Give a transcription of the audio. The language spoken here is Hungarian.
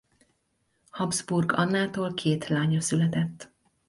Habsburg Annától két lánya született.